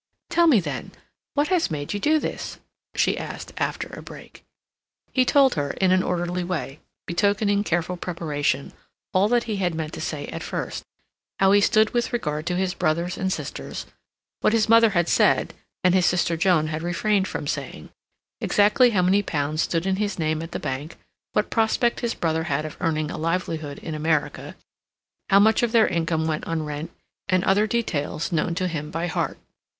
"Tell me, then, what has made you do this?" she asked, after a break. He told her in an orderly way, betokening careful preparation, all that he had meant to say at first; how he stood with regard to his brothers and sisters; what his mother had said, and his sister Joan had refrained from saying; exactly how many pounds stood in his name at the bank; what prospect his brother had of earning a livelihood in America; how much of their income went on rent, and other details known to him by heart.